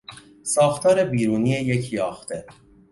ساختار بیرونی یک یاخته